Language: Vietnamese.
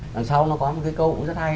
đằng sau nó có một cái câu cũng rất hay